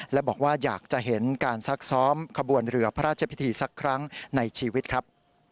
และบอกว่าอยากจะเห็นการซักซ้อมขบวนเรือพระราชพิธีสักครั้งในชีวิตครับ